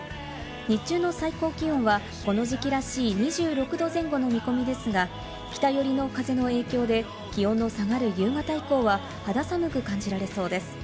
日中の最高気温はこの時期らしい２６度前後の見込みですが、北よりの風の影響で、気温の下がる夕方以降は肌寒く感じられそうです。